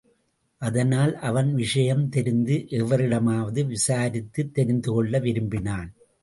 அதனால் அவன் விஷயம் தெரிந்த எவரிடமாவது விசாரித்துத் தெரிந்துகொள்ள விரும்பினான்.